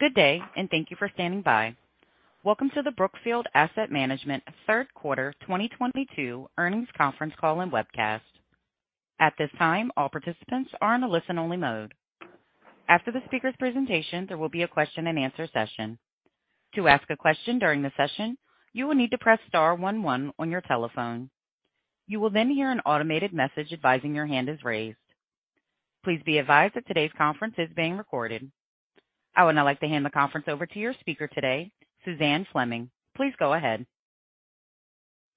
Good day, and thank you for standing by. Welcome to the Brookfield Asset Management third quarter 2022 earnings conference call and webcast. At this time, all participants are in a listen-only mode. After the speaker's presentation, there will be a question-and-answer session. To ask a question during the session, you will need to press star one one on your telephone. You will then hear an automated message advising that your hand is raised. Please be advised that today's conference is being recorded. I would now like to hand the conference over to your speaker today, Suzanne Fleming. Please go ahead.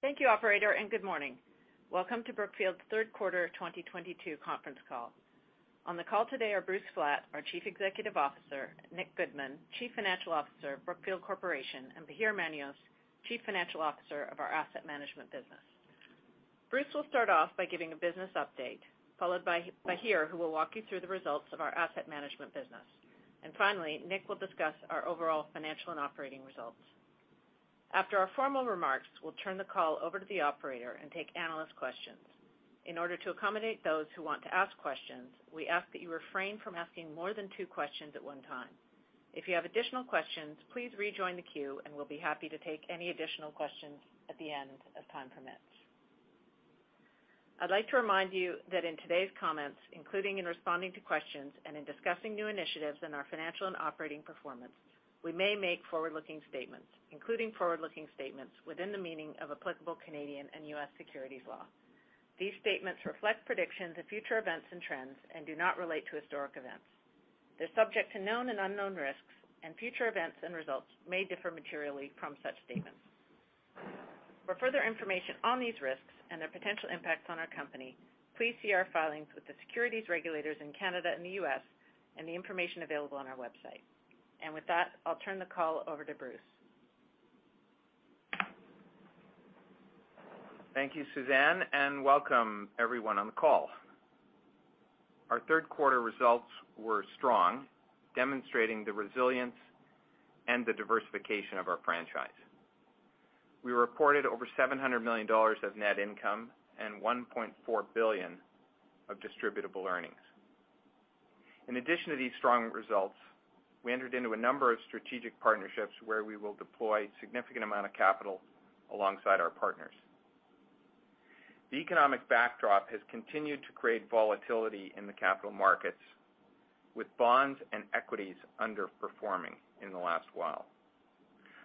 Thank you, operator, and good morning. Welcome to Brookfield's third quarter 2022 conference call. On the call today are Bruce Flatt, our Chief Executive Officer, Nick Goodman, Chief Financial Officer of Brookfield Corporation, and Bahir Manios, Chief Financial Officer of our asset management business. Bruce will start off by giving a business update, followed by Bahir who will walk you through the results of our asset management business. Finally, Nick will discuss our overall financial and operating results. After our formal remarks, we'll turn the call over to the Operator and take analyst questions. In order to accommodate those who want to ask questions, we ask that you refrain from asking more than two questions at one time. If you have additional questions, please rejoin the queue, and we'll be happy to take any additional questions at the end as time permits. I'd like to remind you that in today's comments, including in responding to questions and in discussing new initiatives in our financial and operating performance, we may make forward-looking statements, including forward-looking statements within the meaning of applicable Canadian and U.S. securities law. These statements reflect predictions of future events and trends and do not relate to historic events. They're subject to known and unknown risks, and future events and results may differ materially from such statements. For further information on these risks and their potential impacts on our company, please see our filings with the securities regulators in Canada and the U.S. and the information available on our website. With that, I'll turn the call over to Bruce. Thank you, Suzanne, and welcome everyone on the call. Our third quarter results were strong, demonstrating the resilience and the diversification of our franchise. We reported over $700 million of net income and $1.4 billion of distributable earnings. In addition to these strong results, we entered into a number of strategic partnerships where we will deploy significant amount of capital alongside our partners. The economic backdrop has continued to create volatility in the capital markets, with bonds and equities underperforming in the last while.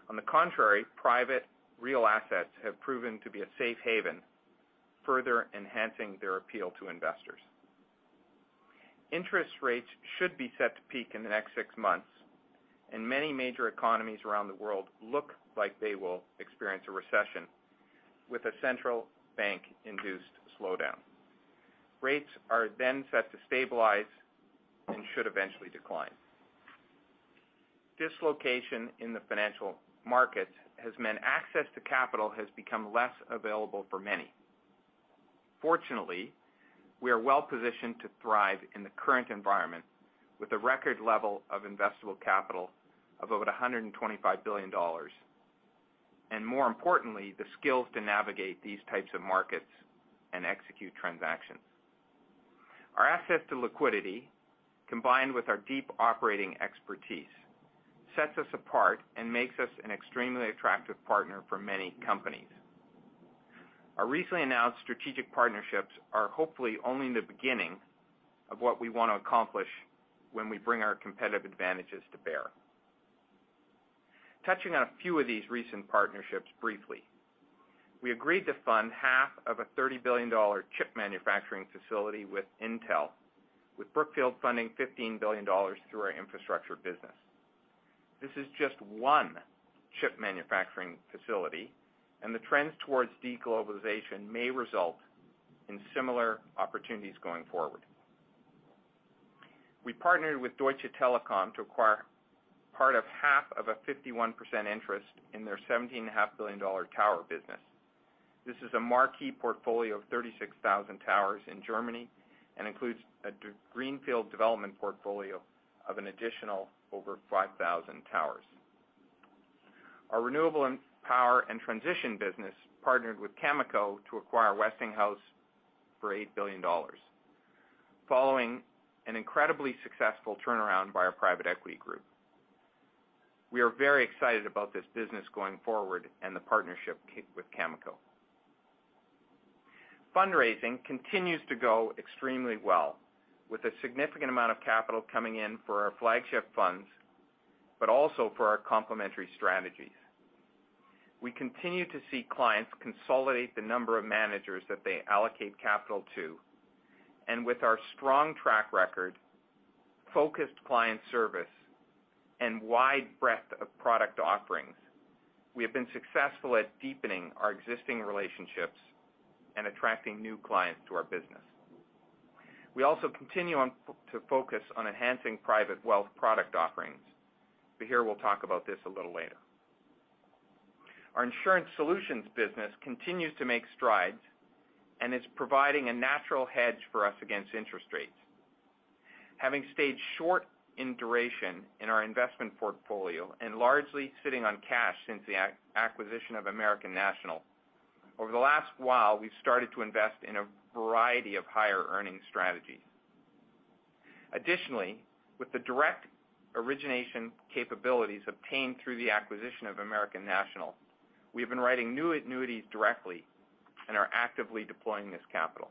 On the contrary, private real assets have proven to be a safe haven, further enhancing their appeal to investors. Interest rates should be set to peak in the next six months, and many major economies around the world look like they will experience a recession with a central bank-induced slowdown. Rates are then set to stabilize and should eventually decline. Displacement in the financial markets has meant access to capital has become less available for many. Fortunately, we are well positioned to thrive in the current environment with a record level of investable capital of over $125 billion, and more importantly, the skills to navigate these types of markets and execute transactions. Our access to liquidity, combined with our deep operating expertise, sets us apart and makes us an extremely attractive partner for many companies. Our recently announced strategic partnerships are hopefully only the beginning of what we want to accomplish when we bring our competitive advantages to bear. Touching on a few of these recent partnerships briefly. We agreed to fund half of a $30 billion chip manufacturing facility with Intel, with Brookfield funding $15 billion through our infrastructure business. This is just one chip manufacturing facility, and the trends towards de-globalization may result in similar opportunities going forward. We partnered with Deutsche Telekom to acquire a 51% interest in their $17.5 billion tower business. This is a marquee portfolio of 36,000 towers in Germany and includes a greenfield development portfolio of an additional over 5,000 towers. Our renewable power and transition business partnered with Cameco to acquire Westinghouse for $8 billion following an incredibly successful turnaround by our private equity group. We are very excited about this business going forward and the partnership with Cameco. Fundraising continues to go extremely well with a significant amount of capital coming in for our flagship funds but also for our complementary strategies. We continue to see clients consolidate the number of managers that they allocate capital to, and with our strong track record, focused client service, and wide breadth of product offerings, we have been successful at deepening our existing relationships and attracting new clients to our business. We also continue to focus on enhancing private wealth product offerings. Bahir will talk about this a little later. Our insurance solutions business continues to make strides and is providing a natural hedge for us against interest rates. Having stayed short in duration in our investment portfolio and largely sitting on cash since the acquisition of American National. Over the last while, we've started to invest in a variety of higher earning strategies. Additionally, with the direct origination capabilities obtained through the acquisition of American National, we have been writing new annuities directly and are actively deploying this capital.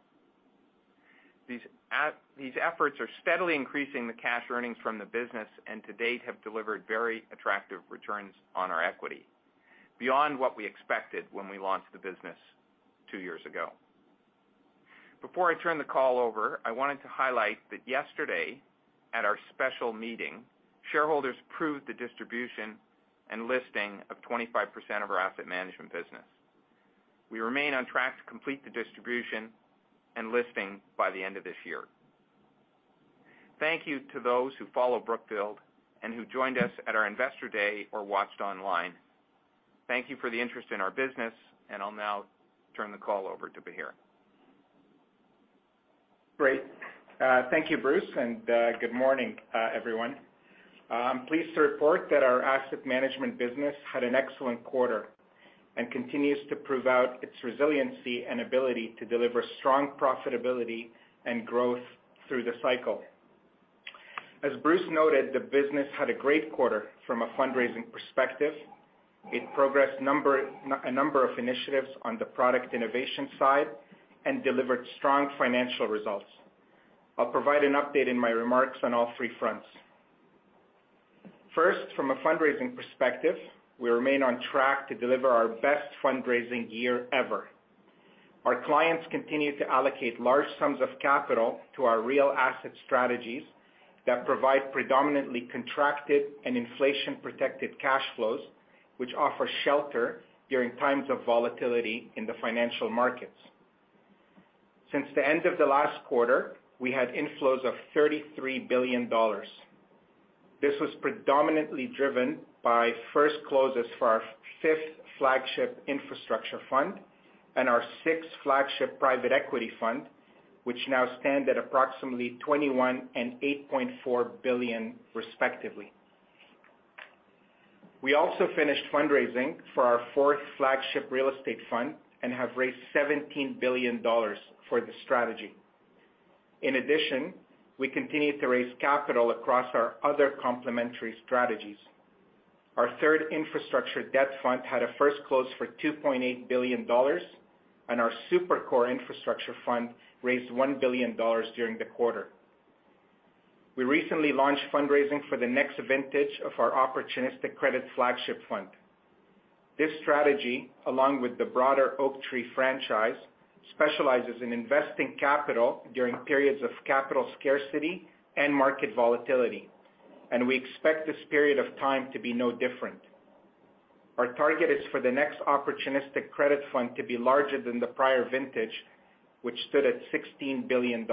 These efforts are steadily increasing the cash earnings from the business and to date, have delivered very attractive returns on our equity beyond what we expected when we launched the business two years ago. Before I turn the call over, I wanted to highlight that yesterday at our special meeting, shareholders approved the distribution and listing of 25% of our asset management business. We remain on track to complete the distribution and listing by the end of this year. Thank you to those who follow Brookfield and who joined us at our Investor Day or watched online. Thank you for the interest in our business, and I'll now turn the call over to Bahir Manios. Great. Thank you, Bruce, and good morning, everyone. I'm pleased to report that our asset management business had an excellent quarter and continues to prove out its resiliency and ability to deliver strong profitability and growth through the cycle. As Bruce noted, the business had a great quarter from a fundraising perspective. It progressed a number of initiatives on the product innovation side and delivered strong financial results. I'll provide an update in my remarks on all three fronts. First, from a fundraising perspective, we remain on track to deliver our best fundraising year ever. Our clients continue to allocate large sums of capital to our real asset strategies that provide predominantly contracted and inflation-protected cash flows, which offer shelter during times of volatility in the financial markets. Since the end of the last quarter, we had inflows of $33 billion. This was predominantly driven by first closes for our fifth flagship infrastructure fund and our sixth flagship private equity fund, which now stand at approximately $21 billion and $8.4 billion, respectively. We also finished fundraising for our fourth flagship real estate fund and have raised $17 billion for the strategy. In addition, we continue to raise capital across our other complementary strategies. Our third infrastructure debt fund had a first close for $2.8 billion, and our super core infrastructure fund raised $1 billion during the quarter. We recently launched fundraising for the next vintage of our opportunistic credit flagship fund. This strategy, along with the broader Oaktree franchise, specializes in investing capital during periods of capital scarcity and market volatility, and we expect this period of time to be no different. Our target is for the next opportunistic credit fund to be larger than the prior vintage, which stood at $16 billion.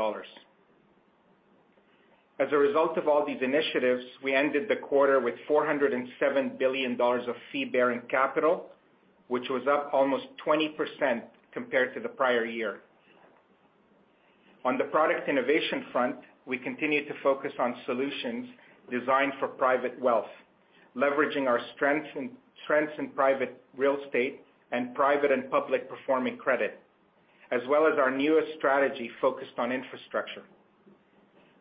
As a result of all these initiatives, we ended the quarter with $407 billion of fee-bearing capital, which was up almost 20% compared to the prior year. On the product innovation front, we continue to focus on solutions designed for private wealth, leveraging our strength in trends in private real estate and private and public performing credit, as well as our newest strategy focused on infrastructure.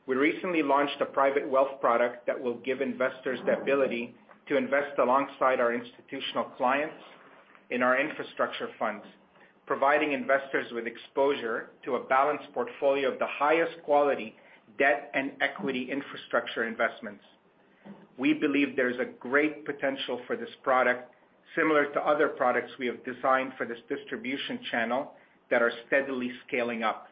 We recently launched a private wealth product that will give investors the ability to invest alongside our institutional clients in our infrastructure funds, providing investors with exposure to a balanced portfolio of the highest quality debt and equity infrastructure investments. We believe there's a great potential for this product, similar to other products we have designed for this distribution channel that are steadily scaling up.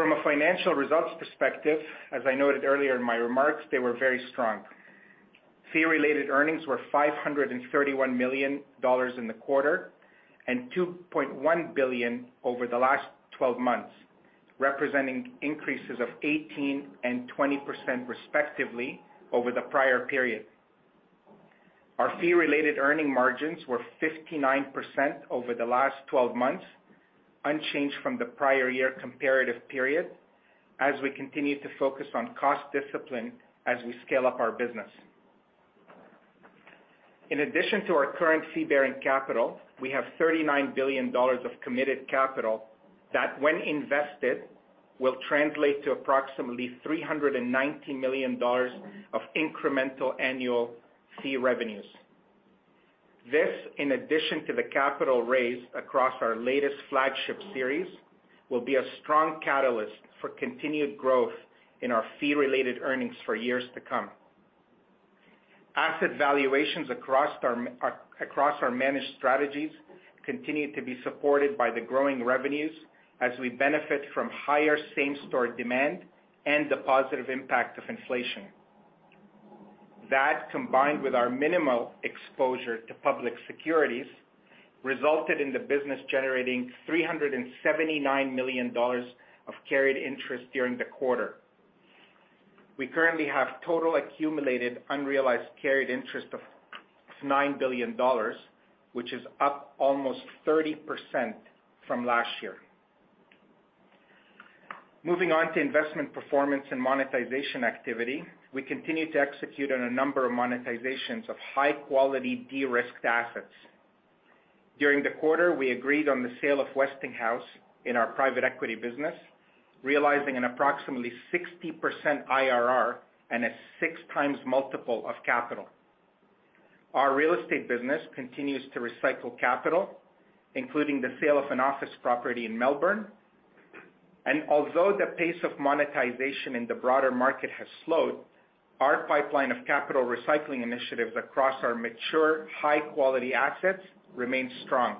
From a financial results perspective, as I noted earlier in my remarks, they were very strong. Fee-related earnings were $531 million in the quarter and $2.1 billion over the last 12 months, representing increases of 18% and 20% respectively over the prior period. Our fee-related earnings margins were 59% over the last 12 months, unchanged from the prior year comparative period, as we continue to focus on cost discipline as we scale up our business. In addition to our current fee-bearing capital, we have $39 billion of committed capital that, when invested, will translate to approximately $390 million of incremental annual fee revenues. This, in addition to the capital raised across our latest flagship series, will be a strong catalyst for continued growth in our fee-related earnings for years to come. Asset valuations across our managed strategies continue to be supported by the growing revenues as we benefit from higher same-store demand and the positive impact of inflation. That, combined with our minimal exposure to public securities, resulted in the business generating $379 million of carried interest during the quarter. We currently have total accumulated unrealized carried interest of $9 billion, which is up almost 30% from last year. Moving on to investment performance and monetization activity. We continue to execute on a number of monetizations of high quality de-risked assets. During the quarter, we agreed on the sale of Westinghouse in our private equity business, realizing an approximately 60% IRR and a 6x multiple of capital. Our real estate business continues to recycle capital, including the sale of an office property in Melbourne. Although the pace of monetization in the broader market has slowed, our pipeline of capital recycling initiatives across our mature high quality assets remains strong.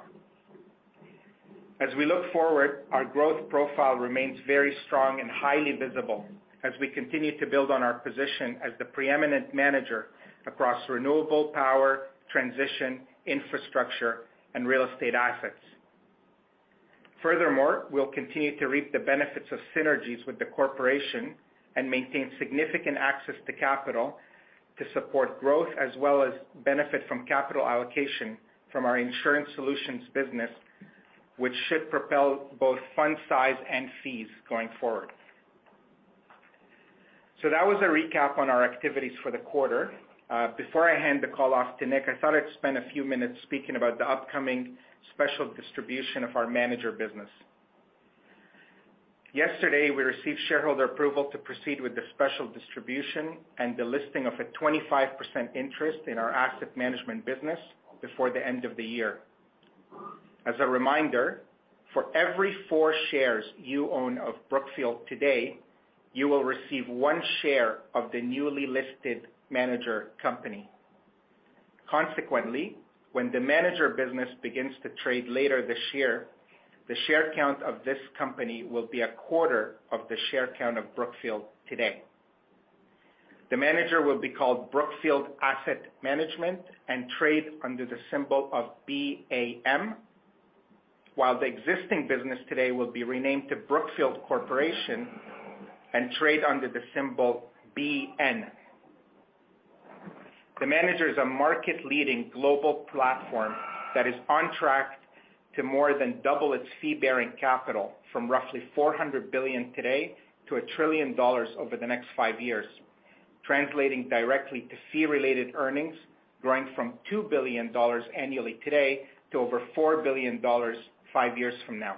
As we look forward, our growth profile remains very strong and highly visible as we continue to build on our position as the preeminent manager across renewable power, transition, infrastructure, and real estate assets. Furthermore, we'll continue to reap the benefits of synergies with the corporation and maintain significant access to capital to support growth, as well as benefit from capital allocation from our insurance solutions business, which should propel both fund size and fees going forward. That was a recap on our activities for the quarter. Before I hand the call off to Nick, I thought I'd spend a few minutes speaking about the upcoming special distribution of our manager business. Yesterday, we received shareholder approval to proceed with the special distribution and the listing of a 25% interest in our asset management business before the end of the year. As a reminder, for every four shares you own of Brookfield today, you will receive one share of the newly listed manager company. Consequently, when the manager business begins to trade later this year, the share count of this company will be 1/4 of the share count of Brookfield today. The manager will be called Brookfield Asset Management and trade under the symbol of BAM, while the existing business today will be renamed to Brookfield Corporation and trade under the symbol BN. The manager is a market-leading global platform that is on track to more than double its fee-bearing capital from roughly $400 billion today to $1 trillion over the next five years. Translating directly to fee-related earnings growing from $2 billion annually today to over $4 billion five years from now.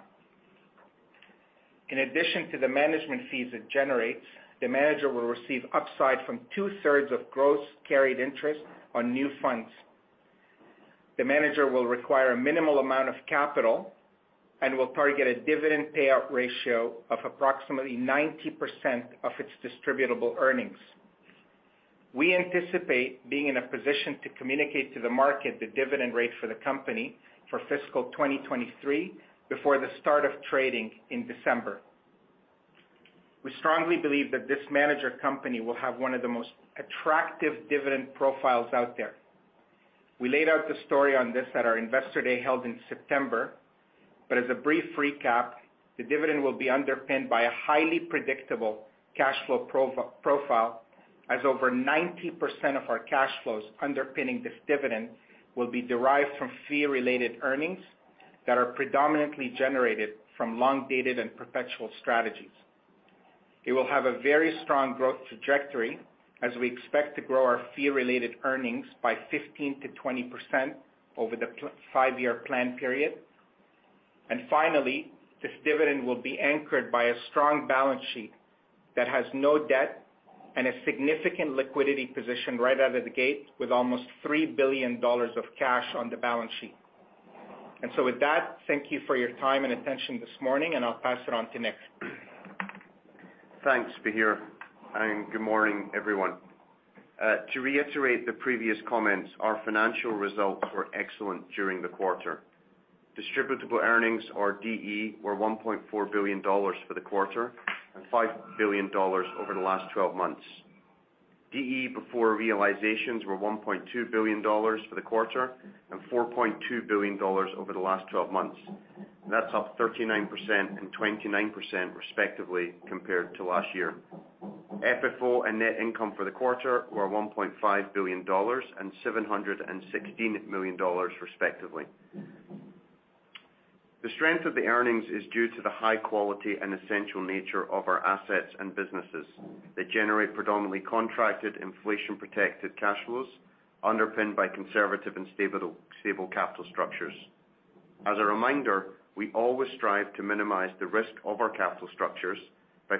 In addition to the management fees it generates, the manager will receive upside from 2/3 of gross carried interest on new funds. The manager will require a minimal amount of capital and will target a dividend payout ratio of approximately 90% of its distributable earnings. We anticipate being in a position to communicate to the market the dividend rate for the company for fiscal 2023 before the start of trading in December. We strongly believe that this manager company will have one of the most attractive dividend profiles out there. We laid out the story on this at our Investor Day held in September, but as a brief recap, the dividend will be underpinned by a highly predictable cash flow profile, as over 90% of our cash flows underpinning this dividend will be derived from fee-related earnings that are predominantly generated from long-dated and perpetual strategies. It will have a very strong growth trajectory as we expect to grow our fee-related earnings by 15%-20% over the five-year plan period. Finally, this dividend will be anchored by a strong balance sheet that has no debt and a significant liquidity position right out of the gate with almost $3 billion of cash on the balance sheet. With that, thank you for your time and attention this morning, and I'll pass it on to Nick. Thanks, Bahir, and good morning, everyone. To reiterate the previous comments, our financial results were excellent during the quarter. Distributable earnings or DE were $1.4 billion for the quarter and $5 billion over the last 12 months. DE before realizations were $1.2 billion for the quarter and $4.2 billion over the last 12 months. That's up 39% and 29% respectively, compared to last year. FFO and net income for the quarter were $1.5 billion and $716 million, respectively. The strength of the earnings is due to the high quality and essential nature of our assets and businesses that generate predominantly contracted inflation-protected cash flows underpinned by conservative and stable capital structures. As a reminder, we always strive to minimize the risk of our capital structures by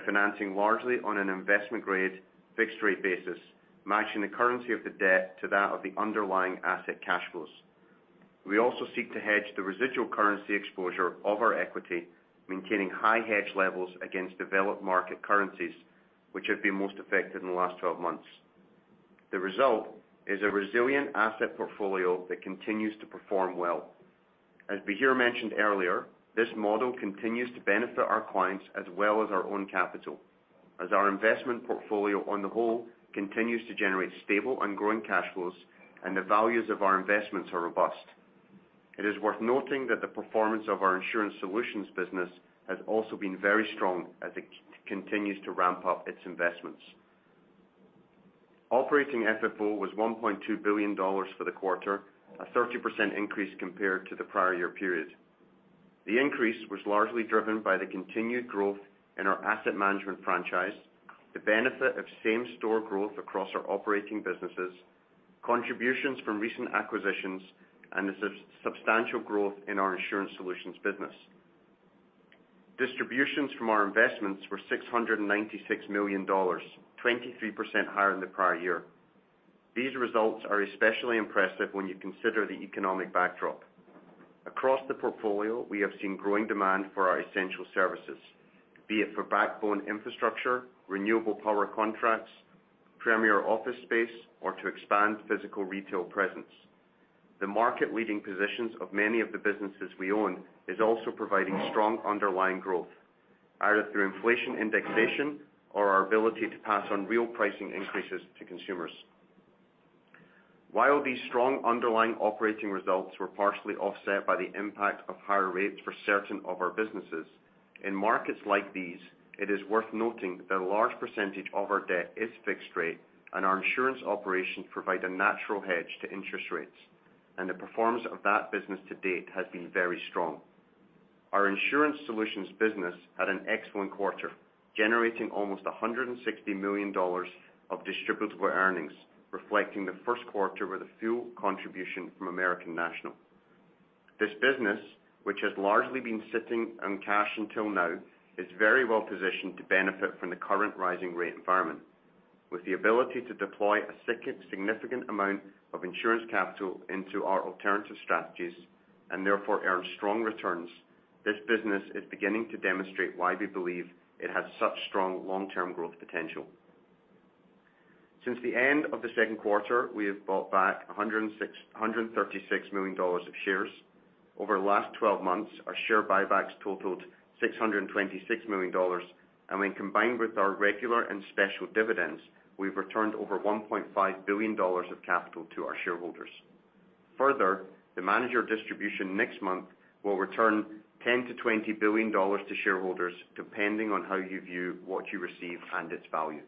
financing largely on an investment-grade fixed rate basis, matching the currency of the debt to that of the underlying asset cash flows. We also seek to hedge the residual currency exposure of our equity, maintaining high hedge levels against developed market currencies which have been most affected in the last 12 months. The result is a resilient asset portfolio that continues to perform well. As Bahir mentioned earlier, this model continues to benefit our clients as well as our own capital, as our investment portfolio on the whole continues to generate stable and growing cash flows and the values of our investments are robust. It is worth noting that the performance of our insurance solutions business has also been very strong as it continues to ramp up its investments. Operating FFO was $1.2 billion for the quarter, a 30% increase compared to the prior year period. The increase was largely driven by the continued growth in our asset management franchise, the benefit of same-store growth across our operating businesses, contributions from recent acquisitions, and the substantial growth in our insurance solutions business. Distributions from our investments were $696 million, 23% higher than the prior year. These results are especially impressive when you consider the economic backdrop. Across the portfolio, we have seen growing demand for our essential services, be it for backbone infrastructure, renewable power contracts, premier office space, or to expand physical retail presence. The market-leading positions of many of the businesses we own is also providing strong underlying growth, either through inflation indexation or our ability to pass on real pricing increases to consumers. While these strong underlying operating results were partially offset by the impact of higher rates for certain of our businesses, in markets like these, it is worth noting that a large percentage of our debt is fixed rate and our insurance operations provide a natural hedge to interest rates, and the performance of that business to date has been very strong. Our insurance solutions business had an excellent quarter, generating almost $160 million of distributable earnings, reflecting the first quarter with a full contribution from American National. This business, which has largely been sitting on cash until now, is very well positioned to benefit from the current rising rate environment. With the ability to deploy a significant amount of insurance capital into our alternative strategies and therefore earn strong returns, this business is beginning to demonstrate why we believe it has such strong long-term growth potential. Since the end of the second quarter, we have bought back $136 million of shares. Over the last 12 months, our share buybacks totaled $626 million, and when combined with our regular and special dividends, we've returned over $1.5 billion of capital to our shareholders. Further, the manager distribution next month will return $10 billion-$20 billion to shareholders, depending on how you view what you receive and its value.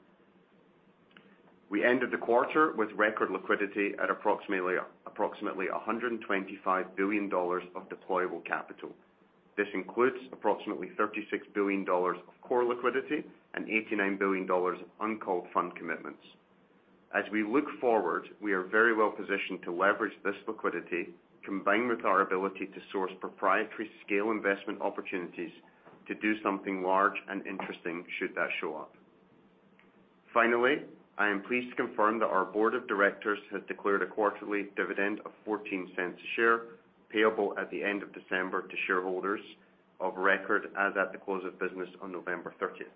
We ended the quarter with record liquidity at approximately $125 billion of deployable capital. This includes approximately $36 billion of core liquidity and $89 billion of uncalled fund commitments. As we look forward, we are very well positioned to leverage this liquidity, combined with our ability to source proprietary scale investment opportunities to do something large and interesting should that show up. Finally, I am pleased to confirm that our Board of Directors has declared a quarterly dividend of $0.14 a share, payable at the end of December to shareholders of record as at the close of business on November 30th.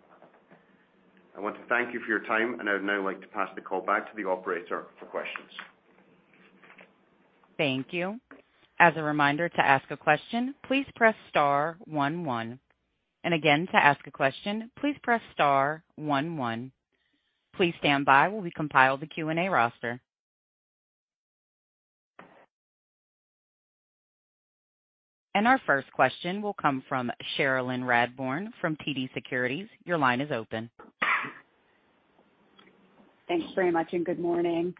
I want to thank you for your time, and I would now like to pass the call back to the Operator for questions. Thank you. As a reminder, to ask a question, please press star one one. Again, to ask a question, please press star one one. Please stand by while we compile the Q&A roster. Our first question will come from Cherilyn Radbourne from TD Securities. Your line is open. Thanks very much, and good morning.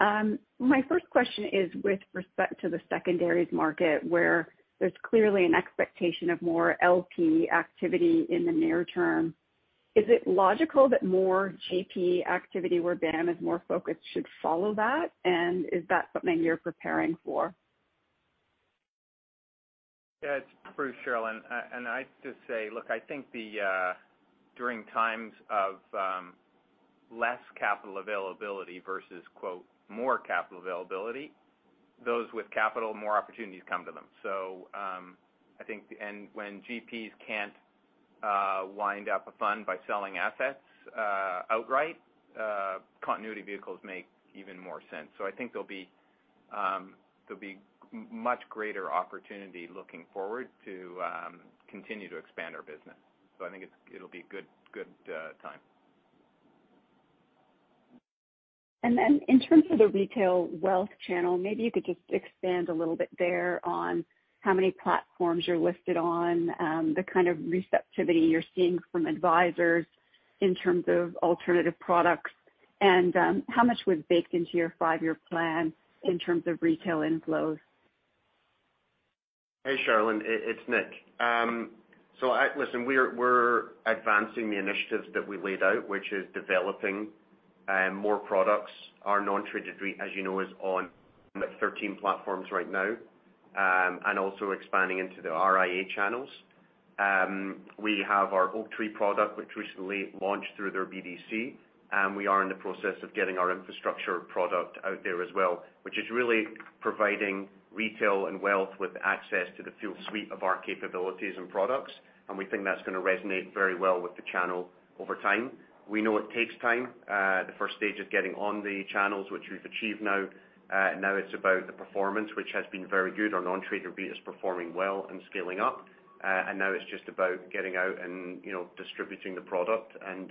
My first question is with respect to the secondaries market, where there's clearly an expectation of more LP activity in the near term. Is it logical that more GP activity where BAM is more focused should follow that? Is that something you're preparing for? Yeah, it's Bruce, Cherilyn. And I'd just say, look, I think during times of less capital availability versus quote, more capital availability, those with capital, more opportunities come to them. I think, and when GPs can't wind up a fund by selling assets outright, continuation vehicles make even more sense. I think there'll be much greater opportunity looking forward to continue to expand our business. I think it's, it'll be a good time. In terms of the retail wealth channel, maybe you could just expand a little bit there on how many platforms you're listed on, the kind of receptivity you're seeing from advisors in terms of alternative products and, how much was baked into your five-year plan in terms of retail inflows. Hey, Cherilyn, it's Nick. Listen, we're advancing the initiatives that we laid out, which is developing more products. Our non-traded REIT, as you know, is on the 13 platforms right now, and also expanding into the RIA channels. We have our Oaktree product which recently launched through their BDC, and we are in the process of getting our infrastructure product out there as well, which is really providing retail and wealth with access to the full suite of our capabilities and products. We think that's gonna resonate very well with the channel over time. We know it takes time. The first stage is getting on the channels which we've achieved now. Now it's about the performance which has been very good. Our non-traded REIT is performing well and scaling up. Now it's just about getting out and, you know, distributing the product and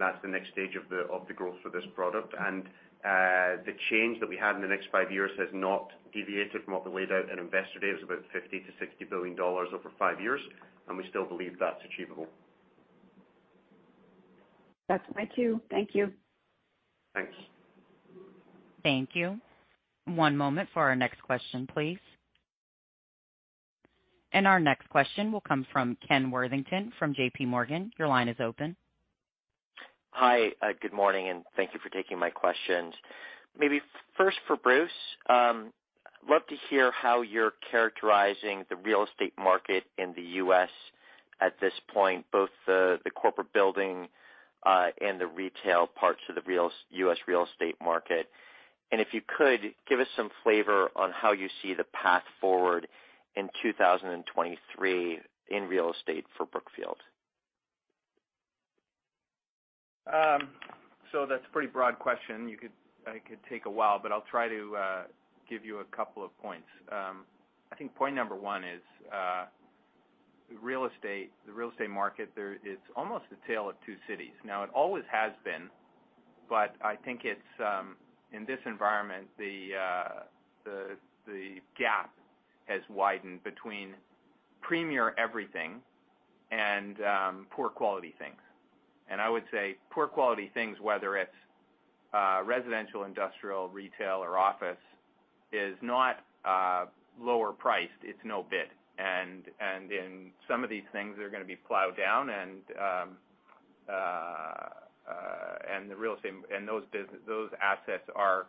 that's the next stage of the growth for this product. The change that we have in the next five years has not deviated from what we laid out at Investor Day. It was about $50 billion-$60 billion over five years, and we still believe that's achievable. That's my cue. Thank you. Thanks. Thank you. One moment for our next question, please. Our next question will come from Ken Worthington from JPMorgan. Your line is open. Hi, good morning, and thank you for taking my questions. Maybe first for Bruce. Love to hear how you're characterizing the real estate market in the U.S. at this point, both the corporate building and the retail parts of the U.S. real estate market. If you could, give us some flavor on how you see the path forward in 2023 in real estate for Brookfield. That's a pretty broad question. I could take a while, but I'll try to give you a couple of points. I think point number one is real estate, the real estate market there is almost the tale of two cities. Now, it always has been, but I think it's in this environment, the gap has widened between premier everything and poor quality things. I would say poor quality things, whether it's residential, industrial, retail, or office, is not lower priced, it's no bid. In some of these things, they're gonna be plowed down and the real estate and those assets are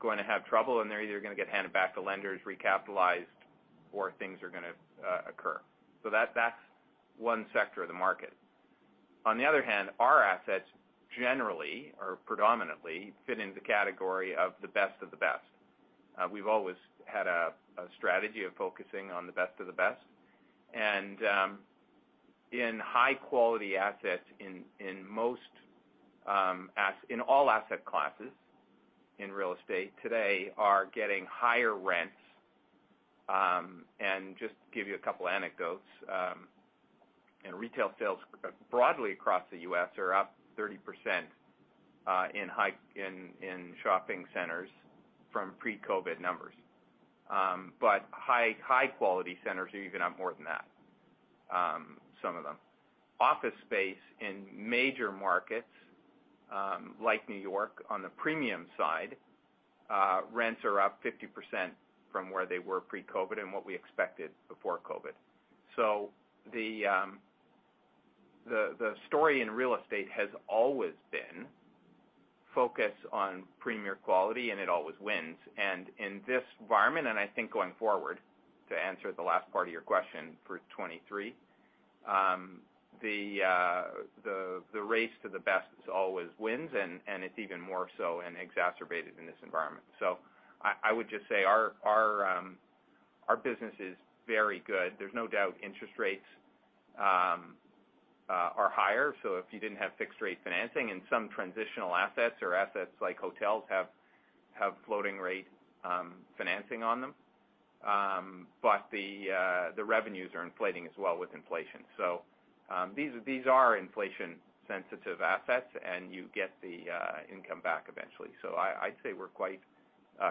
going to have trouble, and they're either gonna get handed back to lenders, recapitalized or things are gonna occur. That's one sector of the market. On the other hand, our assets generally or predominantly fit into the category of the best of the best. We've always had a strategy of focusing on the best of the best. In high quality assets in all asset classes in real estate today are getting higher rents. Just to give you a couple anecdotes, retail sales broadly across the U.S. are up 30% in shopping centers from pre-COVID numbers. But high quality centers are even up more than that, some of them. Office space in major markets, like New York on the premium side, rents are up 50% from where they were pre-COVID and what we expected before COVID. The story in real estate has always been focus on premier quality, and it always wins. In this environment, I think going forward, to answer the last part of your question, for 2023, the race to the best always wins, and it's even more so and exacerbated in this environment. I would just say our business is very good. There's no doubt interest rates are higher. If you didn't have fixed rate financing and some transitional assets or assets like hotels have floating rate financing on them. But the revenues are inflating as well with inflation. These are inflation sensitive assets, and you get the income back eventually. I'd say we're quite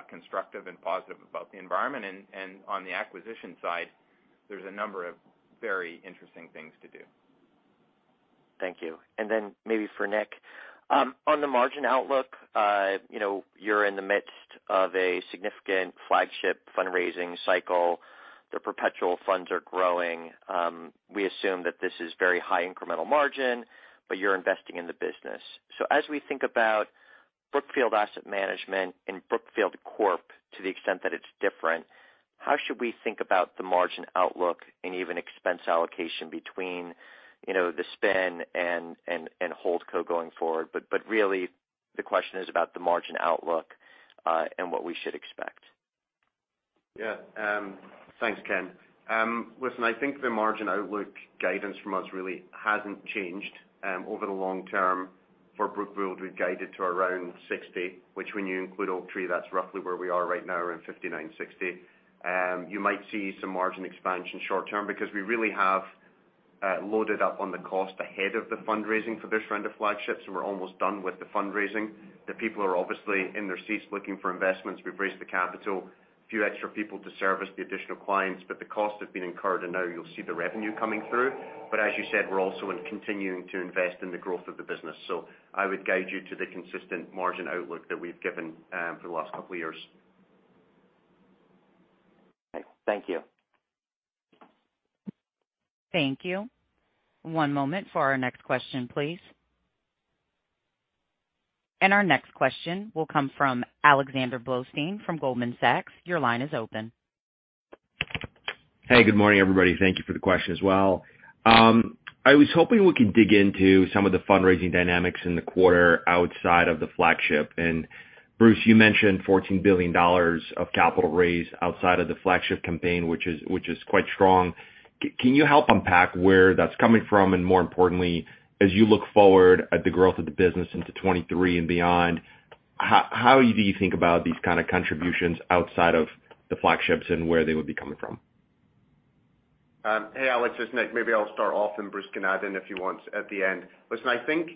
constructive and positive about the environment. On the acquisition side, there's a number of very interesting things to do. Thank you. Then maybe for Nick. On the margin outlook, you know, you're in the midst of a significant flagship fundraising cycle. The perpetual funds are growing. We assume that this is very high incremental margin, but you're investing in the business. As we think about Brookfield Asset Management and Brookfield Corp, to the extent that it's different, how should we think about the margin outlook and even expense allocation between, you know, the spin and hold co going forward? But really the question is about the margin outlook, and what we should expect. Thanks, Ken. Listen, I think the margin outlook guidance from us really hasn't changed. Over the long term for Brookfield, we've guided to around 60%, which when you include Oaktree, that's roughly where we are right now, around 59%-60%. You might see some margin expansion short term because we really have loaded up on the cost ahead of the fundraising for this round of flagships, and we're almost done with the fundraising. The people are obviously in their seats looking for investments. We've raised the capital. A few extra people to service the additional clients, but the costs have been incurred, and now you'll see the revenue coming through. As you said, we're also in continuing to invest in the growth of the business. I would guide you to the consistent margin outlook that we've given, for the last couple of years. Thank you. Thank you. One moment for our next question, please. Our next question will come from Alexander Blostein from Goldman Sachs. Your line is open. Hey, good morning, everybody. Thank you for the question as well. I was hoping we could dig into some of the fundraising dynamics in the quarter outside of the flagship. Bruce, you mentioned $14 billion of capital raised outside of the flagship campaign, which is quite strong. Can you help unpack where that's coming from? More importantly, as you look forward at the growth of the business into 2023 and beyond, how do you think about these kind of contributions outside of the flagships and where they would be coming from? Hey, Alex, it's Nick. Maybe I'll start off, and Bruce can add in if he wants at the end. Listen, I think,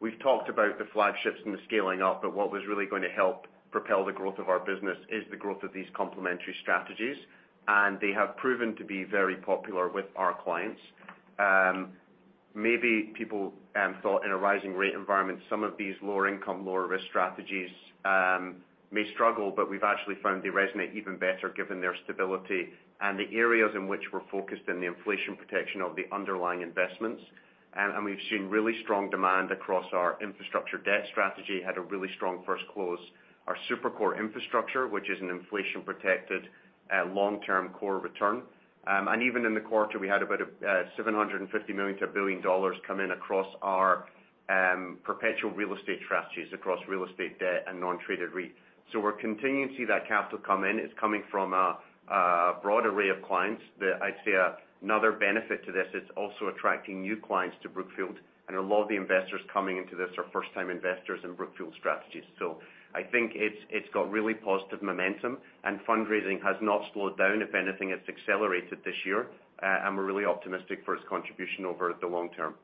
we've talked about the flagships and the scaling up, but what was really gonna help propel the growth of our business is the growth of these complementary strategies, and they have proven to be very popular with our clients. Maybe people thought in a rising rate environment, some of these lower income, lower risk strategies, may struggle, but we've actually found they resonate even better given their stability and the areas in which we're focused on the inflation protection of the underlying investments. We've seen really strong demand across our infrastructure debt strategy, had a really strong first close. Our super core infrastructure, which is an inflation protected, long-term core return. Even in the quarter, we had about $750 million-$1 billion come in across our perpetual real estate strategies across real estate debt and non-traded REIT. We're continuing to see that capital come in. It's coming from a broad array of clients. I'd say another benefit to this, it's also attracting new clients to Brookfield, and a lot of the investors coming into this are first-time investors in Brookfield strategies. I think it's got really positive momentum and fundraising has not slowed down. If anything, it's accelerated this year. We're really optimistic for its contribution over the long term.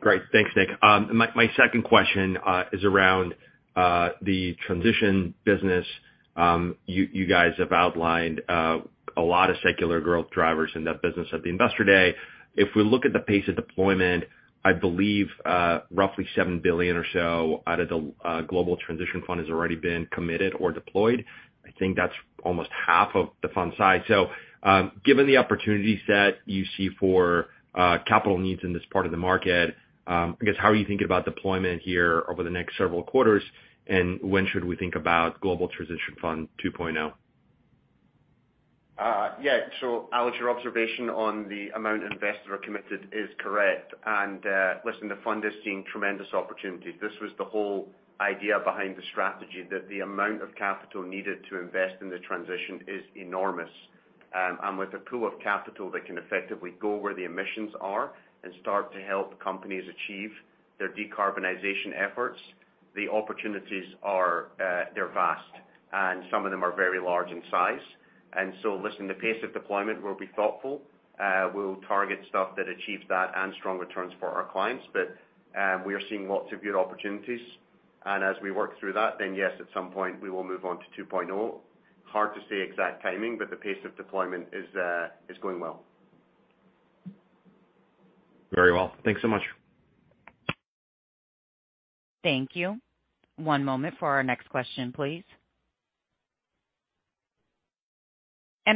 Great. Thanks, Nick. My second question is around the transition business. You guys have outlined a lot of secular growth drivers in that business at the Investor Day. If we look at the pace of deployment, I believe roughly $7 billion or so out of the global transition fund has already been committed or deployed. I think that's almost half of the fund size. Given the opportunities that you see for capital needs in this part of the market, I guess, how are you thinking about deployment here over the next several quarters, and when should we think about global transition fund 2.0? Yeah. Alex, your observation on the amount investors are committed is correct. Listen, the fund has seen tremendous opportunities. This was the whole idea behind the strategy, that the amount of capital needed to invest in the transition is enormous. With a pool of capital that can effectively go where the emissions are and start to help companies achieve their decarbonization efforts, the opportunities are, they're vast, and some of them are very large in size. Listen, the pace of deployment will be thoughtful. We'll target stuff that achieves that and strong returns for our clients. We are seeing lots of good opportunities. As we work through that, yes, at some point, we will move on to 2.0. Hard to say exact timing, but the pace of deployment is going well. Very well. Thanks so much. Thank you. One moment for our next question, please.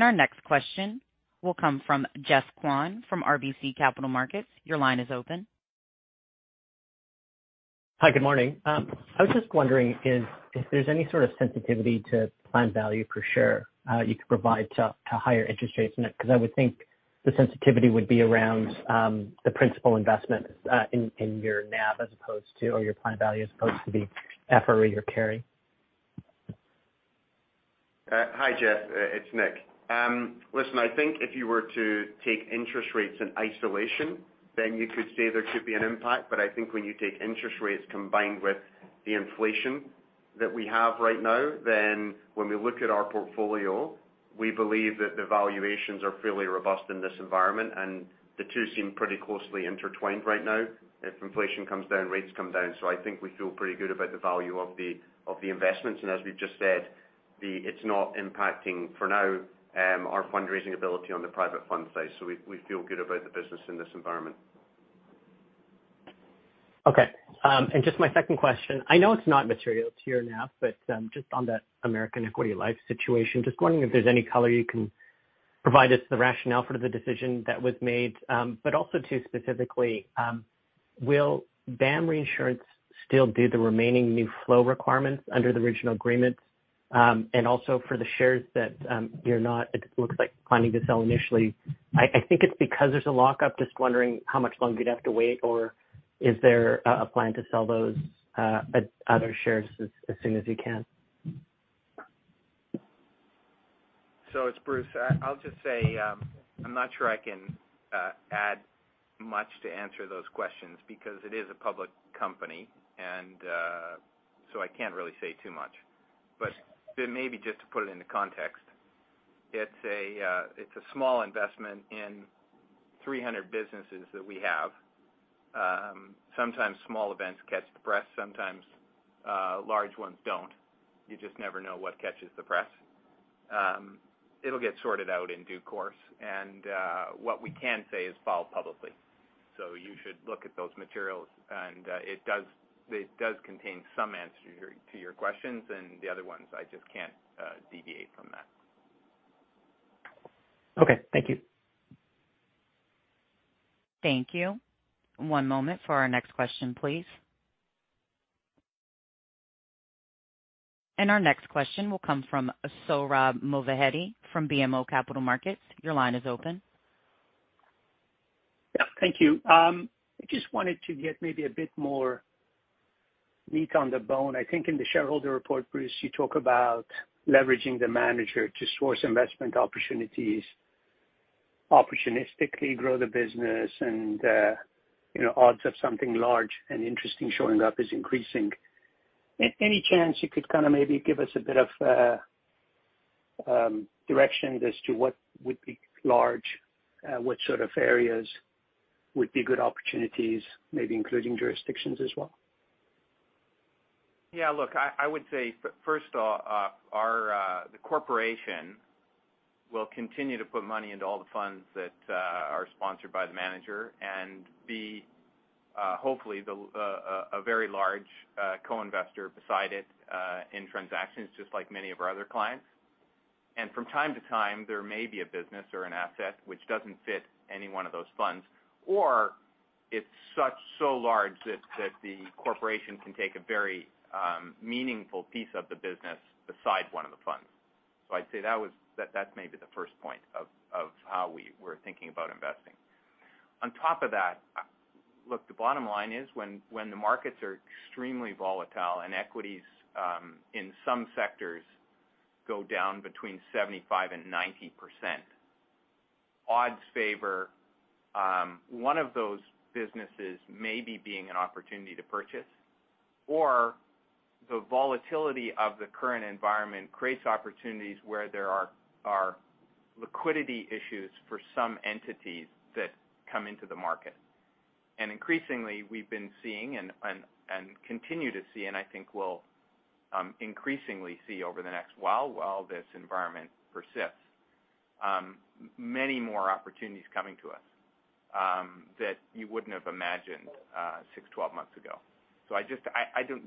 Our next question will come from Geoff Kwan from RBC Capital Markets. Your line is open. Hi, good morning. I was just wondering if there's any sort of sensitivity to plan value per share you could provide to higher interest rates. Because I would think the sensitivity would be around the principal investment in your NAV as opposed to your plan value as opposed to the FRE or carry. Hi, Geoff, it's Nick. Listen, I think if you were to take interest rates in isolation, then you could say there could be an impact. I think when you take interest rates combined with the inflation that we have right now, then when we look at our portfolio, we believe that the valuations are fairly robust in this environment, and the two seem pretty closely intertwined right now. If inflation comes down, rates come down. I think we feel pretty good about the value of the investments. As we've just said, it's not impacting for now our fundraising ability on the private fund side. We feel good about the business in this environment. Okay. Just my second question. I know it's not material to your NAV, but just on that American Equity Investment Life situation, just wondering if there's any color you can provide us the rationale for the decision that was made. But also too specifically, will BAM Reinsurance still do the remaining new flow requirements under the original agreement? And also for the shares that you're not planning to sell initially. It looks like. I think it's because there's a lockup. Just wondering how much longer you'd have to wait, or is there a plan to sell those other shares as soon as you can? It's Bruce. I'll just say, I'm not sure I can add much to answer those questions because it is a public company and so I can't really say too much. Maybe just to put it into context, it's a small investment in 300 businesses that we have. Sometimes small events catch the press, sometimes large ones don't. You just never know what catches the press. It'll get sorted out in due course. What we can say is filed publicly. You should look at those materials. It does contain some answers here to your questions and the other ones I just can't deviate from that. Okay. Thank you. Thank you. One moment for our next question, please. Our next question will come from Sohrab Movahedi from BMO Capital Markets. Your line is open. Yeah. Thank you. I just wanted to get maybe a bit more meat on the bone. I think in the shareholder report, Bruce, you talk about leveraging the manager to source investment opportunities, opportunistically grow the business and, you know, odds of something large and interesting showing up is increasing. Any chance you could kinda maybe give us a bit of direction as to what would be large, what sort of areas would be good opportunities, maybe including jurisdictions as well? Yeah, look, I would say first off, the corporation will continue to put money into all the funds that are sponsored by the manager and be hopefully a very large co-investor beside it in transactions just like many of our other clients. From time to time, there may be a business or an asset which doesn't fit any one of those funds, or it's so large that the corporation can take a very meaningful piece of the business beside one of the funds. I'd say that's maybe the first point of how we were thinking about investing. On top of that, look, the bottom line is when the markets are extremely volatile and equities in some sectors go down between 75%-90%, odds favor one of those businesses maybe being an opportunity to purchase. The volatility of the current environment creates opportunities where there are liquidity issues for some entities that come into the market. Increasingly, we've been seeing and continue to see, and I think will increasingly see over the next while this environment persists, many more opportunities coming to us that you wouldn't have imagined six, 12 months ago.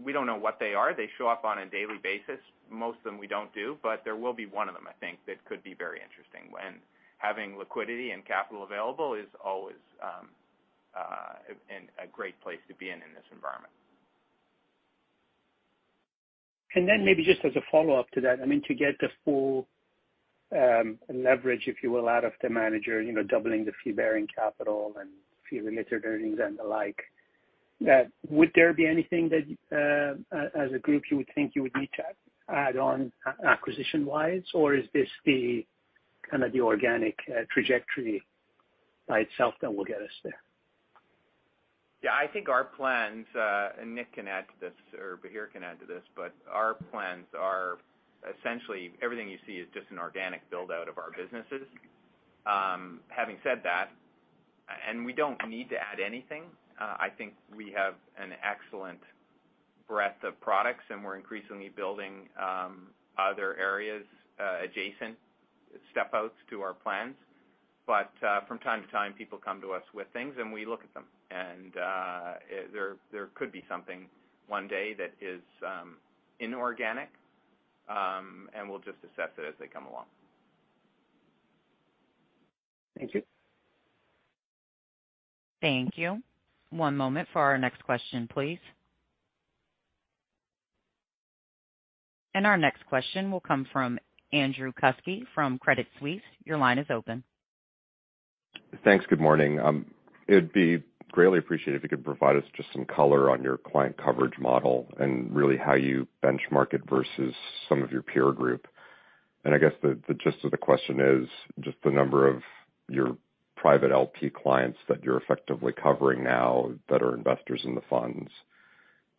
We don't know what they are. They show up on a daily basis. Most of them we don't do, but there will be one of them, I think, that could be very interesting. When having liquidity and capital available is always a great place to be in this environment. Maybe just as a follow-up to that, I mean, to get the full leverage, if you will, out of the manager, you know, doubling the fee-bearing capital and fee-related earnings and the like, would there be anything that, as a group you would think you would need to add on acquisition wise, or is this the kind of organic trajectory by itself that will get us there? Yeah. I think our plans, and Nick can add to this or Bahir can add to this, but our plans are essentially everything you see is just an organic build-out of our businesses. Having said that, we don't need to add anything. I think we have an excellent breadth of products, and we're increasingly building other areas, adjacent step outs to our plans. From time to time, people come to us with things, and we look at them. There could be something one day that is inorganic, and we'll just assess it as they come along. Thank you. Thank you. One moment for our next question, please. Our next question will come from Andrew Kuske from Credit Suisse. Your line is open. Thanks. Good morning. It'd be greatly appreciated if you could provide us just some color on your client coverage model and really how you benchmark it versus some of your peer group. I guess the gist of the question is just the number of your private LP clients that you're effectively covering now that are investors in the funds.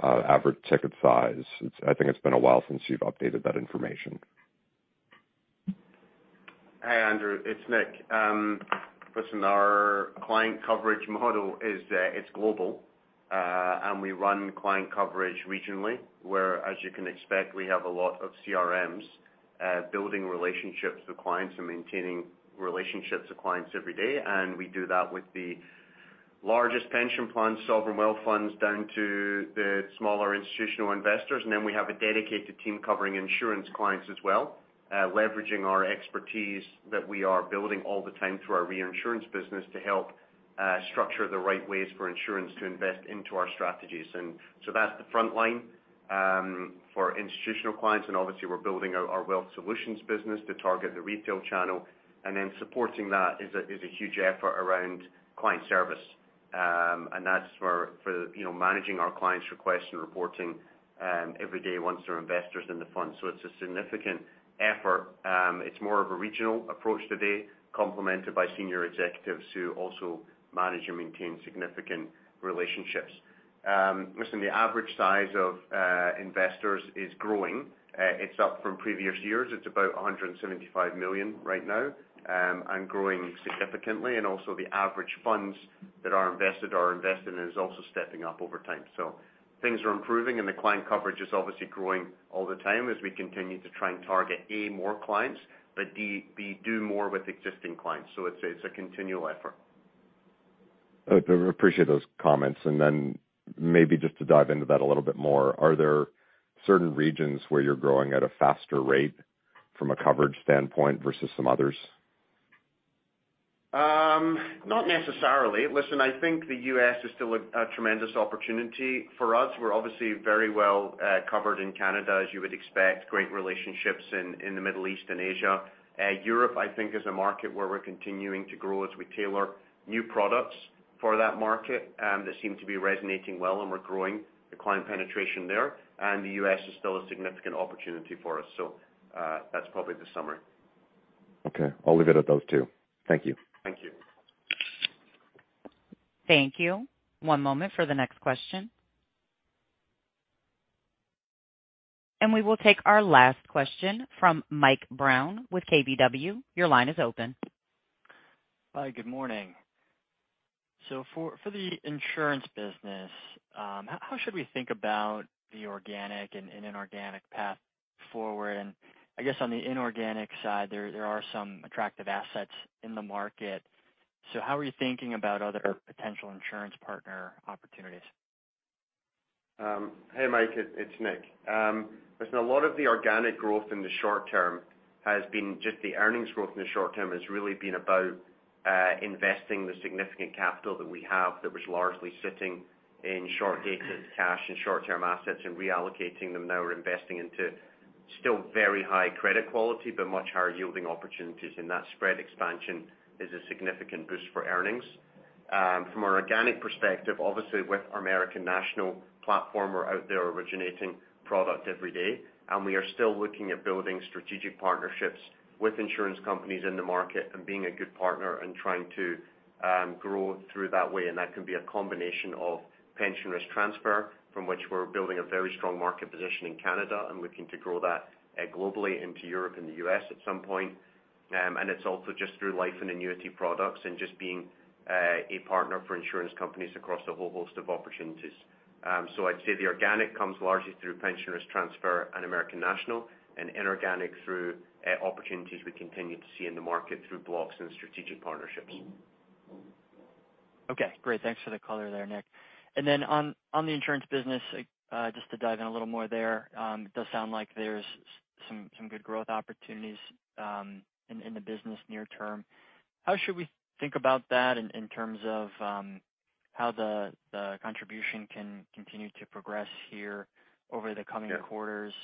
Average ticket size. I think it's been a while since you've updated that information. Hey, Andrew, it's Nick. Listen, our client coverage model is it's global and we run client coverage regionally, where, as you can expect, we have a lot of CRMs building relationships with clients and maintaining relationships with clients every day. We do that with the largest pension funds, sovereign wealth funds, down to the smaller institutional investors. We have a dedicated team covering insurance clients as well, leveraging our expertise that we are building all the time through our reinsurance business to help structure the right ways for insurance to invest into our strategies. That's the front line for institutional clients. Obviously we're building out our wealth solutions business to target the retail channel. Supporting that is a huge effort around client service. That's for you know managing our clients' requests and reporting every day once they're investors in the fund. It's a significant effort. It's more of a regional approach today, complemented by senior executives who also manage and maintain significant relationships. Listen, the average size of investors is growing. It's up from previous years. It's about $175 million right now and growing significantly. Also the average funds that are invested is also stepping up over time. Things are improving and the client coverage is obviously growing all the time as we continue to try and target A, more clients, but B, do more with existing clients. It's a continual effort. Appreciate those comments. Maybe just to dive into that a little bit more, are there certain regions where you're growing at a faster rate from a coverage standpoint versus some others? Not necessarily. Listen, I think the U.S. is still a tremendous opportunity for us. We're obviously very well covered in Canada, as you would expect, great relationships in the Middle East and Asia. Europe, I think, is a market where we're continuing to grow as we tailor new products for that market, that seem to be resonating well, and we're growing the client penetration there. The U.S. is still a significant opportunity for us. That's probably the summary. Okay. I'll leave it at those two. Thank you. Thank you. Thank you. One moment for the next question. We will take our last question from Mike Brown with KBW. Your line is open. Hi, good morning. For the insurance business, how should we think about the organic and inorganic path forward? I guess on the inorganic side there are some attractive assets in the market. How are you thinking about other potential insurance partner opportunities? Hey, Mike, it's Nick. Listen, a lot of the earnings growth in the short term has really been about investing the significant capital that we have that was largely sitting in short-dated cash and short-term assets and reallocating them. Now we're investing into still very high credit quality, but much higher yielding opportunities, and that spread expansion is a significant boost for earnings. From an organic perspective, obviously with our American National platform, we're out there originating product every day, and we are still looking at building strategic partnerships with insurance companies in the market and being a good partner and trying to grow through that way. That can be a combination of pension risk transfer, from which we're building a very strong market position in Canada and looking to grow that, globally into Europe and the U.S. at some point. It's also just through life and annuity products and just being, a partner for insurance companies across a whole host of opportunities. I'd say the organic comes largely through pension risk transfer and American National and inorganic through, opportunities we continue to see in the market through blocks and strategic partnerships. Okay, great. Thanks for the color there, Nick. Then on the insurance business, just to dive in a little more there, it does sound like there's some good growth opportunities in the business near term. How should we think about that in terms of how the contribution can continue to progress here over the coming quarters?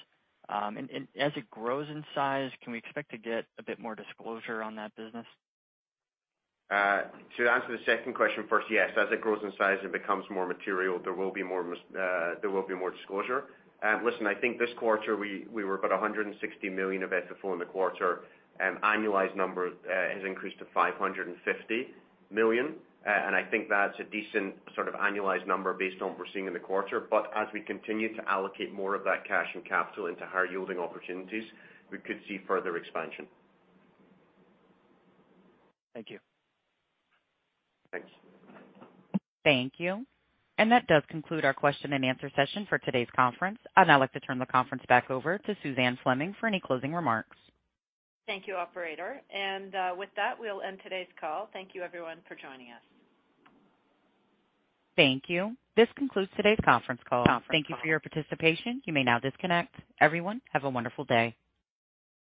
And as it grows in size, can we expect to get a bit more disclosure on that business? To answer the second question first, yes. As it grows in size, it becomes more material. There will be more disclosure. Listen, I think this quarter we were about $160 million of FFO in the quarter, and annualized number has increased to $550 million. I think that's a decent sort of annualized number based on what we're seeing in the quarter. As we continue to allocate more of that cash and capital into higher yielding opportunities, we could see further expansion. Thank you. Thanks. Thank you. That does conclude our question-and-answer session for today's conference. I'd now like to turn the conference back over to Suzanne Fleming for any closing remarks. Thank you, Operator. With that, we'll end today's call. Thank you everyone for joining us. Thank you. This concludes today's conference call. Thank you for your participation. You may now disconnect. Everyone, have a wonderful day.